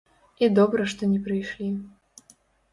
І добра што не прыйшлі.